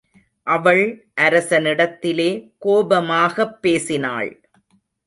அவள் அரசனிடத்திலே கோபமாகப் பேசினாள்.